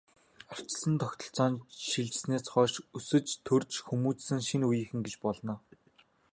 Ардчилсан тогтолцоонд шилжсэнээс хойш өсөж, төрж хүмүүжсэн шинэ үеийнхэн гэж болно.